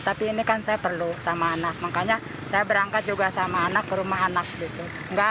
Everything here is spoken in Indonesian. tapi ini kan saya perlu sama anak makanya saya berangkat juga sama anak ke rumah anak gitu